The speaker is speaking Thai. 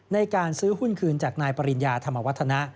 ในการซื้อหุ้นคืนจากนายปริญญาธรรมวัฒนะ